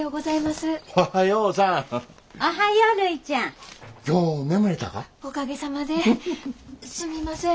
すみません。